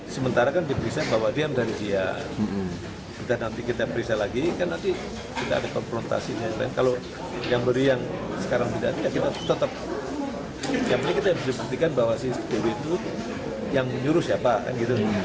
sementara kan diperiksa bahwa dia yang dari dia dan nanti kita periksa lagi kan nanti kita ada konfrontasinya kalau yang dari yang sekarang tidak ya kita tetap yang penting kita harus diperiksa bahwa si dewi itu yang nyuruh siapa sementara dia bilang dia yang masuk